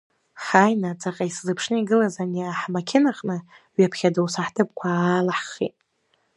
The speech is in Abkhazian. Ҳааины, ҵаҟа исзыԥшны игылаз ани ҳмақьынаҟны ҩаԥхьа доусы ҳҭыԥқәа аалаҳхит.